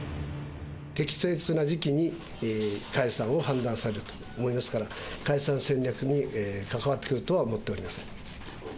適切な時期に解散を判断されると思いますから、解散戦略に関わってくるとは思っておりません。